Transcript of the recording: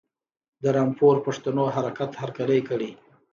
د رامپور پښتنو حرکت هرکلی کړی.